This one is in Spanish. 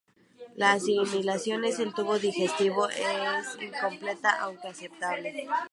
La asimilación en el tubo digestivo es incompleta, aunque aceptable.